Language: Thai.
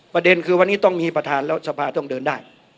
ประเด็นคือวันนี้ต้องมีประธานแล้วสภาต้องเดินได้